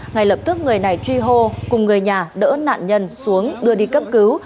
ngay lập tức người này truy hô cùng người nhà đỡ nạn nhân xuống đưa đi cấp cứu